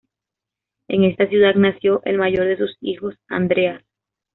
En esta ciudad nació el mayor de sus hijos, Andreas.